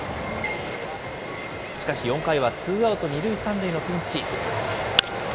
しかし４回はツーアウト２塁３塁のピンチ。